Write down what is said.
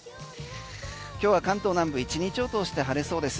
今日は関東南部１日を通して晴れそうです。